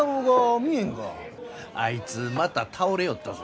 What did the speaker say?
あいつまた倒れよったぞ。